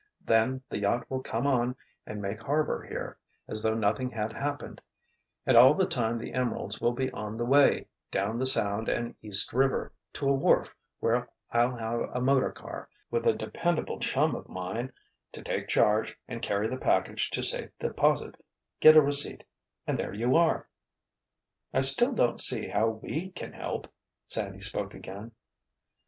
Then, the yacht will come on and make harbor here, as though nothing had happened—and all the time the emeralds will be on the way, down the Sound and East River, to a wharf where I'll have a motor car, with a dependable chum of mine, to take charge and carry the package to safe deposit, get a receipt—and there you are!" "I still don't see how we can help!" Sandy spoke again.